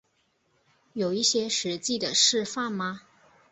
有一些实际的示范吗